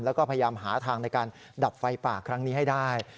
แล้วก็พยายามหาทางในการดับไฟป่าครั้งนี้ให้ได้